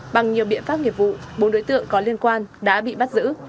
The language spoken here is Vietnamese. bằng nhiều biện pháp nghiệp vụ bốn đối tượng có liên quan đã bị bắt giữ